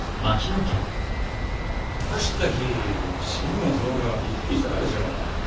走ったき心の臓がびっくりしたがでしょう。